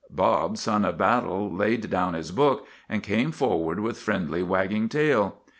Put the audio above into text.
Bob, Son of Battle, laid down his book, and came forward with friendly, wagging tail.